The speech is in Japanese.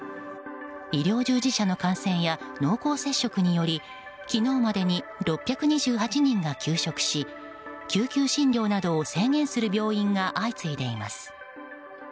医療従事者の感染や濃厚接触者により昨日までに６２８人が休職し救急診療などを制限する病院が相次いでいます。